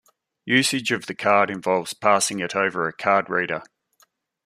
Usage of the card involves passing it over a card reader.